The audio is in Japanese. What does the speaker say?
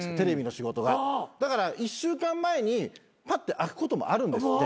だから１週間前にパッて空くこともあるんですって。